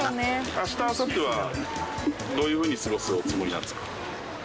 あした、あさってはどういうふうに過ごすおつもりなんですか？